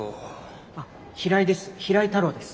あっ平井です。